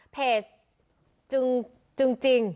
เพจจนจิ้ง